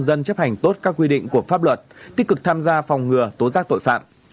các cán bộ nhân dân chấp hành tốt các quy định của pháp luật tích cực tham gia phòng ngừa tố giác tội phạm